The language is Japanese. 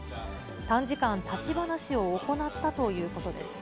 短時間、立ち話を行ったということです。